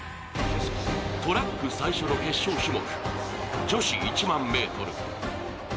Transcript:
トラック最初の決勝種目、女子１００００ｍ。